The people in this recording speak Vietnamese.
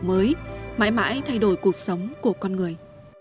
mới mãi mãi thay đổi cuộc sống của con người